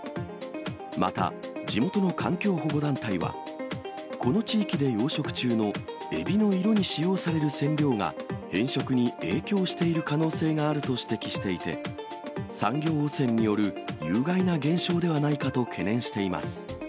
また、地元の環境保護団体は、この地域で養殖中のエビの色に使用される染料が、変色に影響している可能性があると指摘していて、産業汚染による有害な現象ではないかと懸念しています。